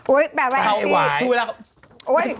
โอ๊ยแปลว่าไอ้พี่เขาเวลา